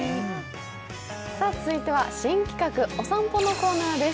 続いては新企画、お散歩のコーナーです。